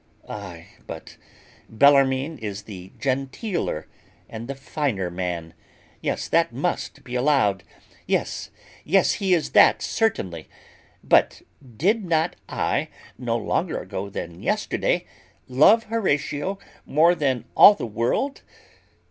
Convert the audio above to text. Aye, but Bellarmine is the genteeler, and the finer man; yes, that he must be allowed. Yes, yes, he is that certainly. But did not I, no longer ago than yesterday, love Horatio more than all the world?